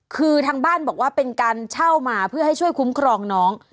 คือทางบ้านบอกว่าเป็นการเช่ามาเพื่อให้ช่วยคุ้มครองน้อง